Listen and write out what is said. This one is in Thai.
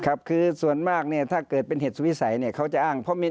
ครับคือส่วนมากเนี่ยถ้าเกิดเป็นเหตุสุวิสัยเนี่ยเขาจะอ้างเพราะมี